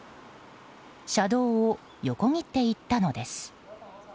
車道を横切っていったのです。